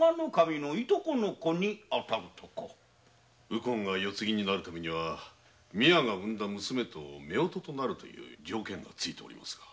右近が世継ぎになるためには三輪が産んだ娘と夫婦になるという条件がついておりますが。